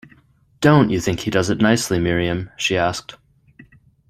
“Don’t you think he does it nicely, Miriam?” she asked.